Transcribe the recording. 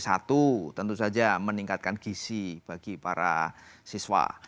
satu tentu saja meningkatkan gisi bagi para siswa